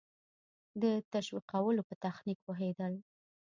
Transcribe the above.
د تشویقولو په تخنیک پوهېدل.